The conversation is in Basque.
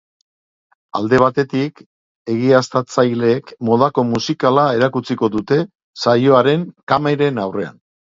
Alde batetik, egiaztatzaileek modako musikala erakutsiko dute saioaren kameren aurrean.